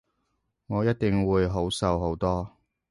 我一定會好受好多